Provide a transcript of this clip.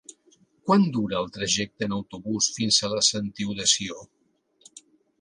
Quant dura el trajecte en autobús fins a la Sentiu de Sió?